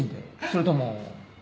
それとも。